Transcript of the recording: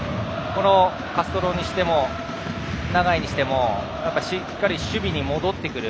カストロにしても永井にしてもしっかり守備に戻ってくる。